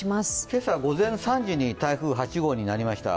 今朝、午前３時に台風８号になりました。